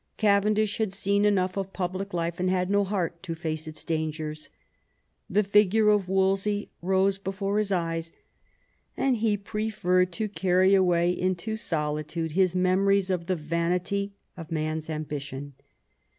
Cavendish had seen enough of public life, and had no heart to face its dangers. The figure of Wolsey rose before his eyes, and he preferred to carry away into solitude his memories of the vanity of man's ambition.